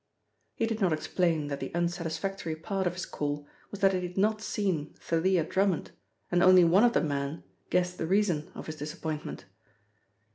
He did not explain that the unsatisfactory part of his call was that he had not seen Thalia Drummond, and only one of the men guessed the reason of his disappointment.